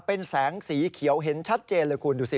เป็นแสงสีเขียวเห็นชัดเจนเลยคุณดูสิ